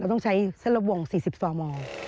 เราต้องใช้เซลละวง๔๒ม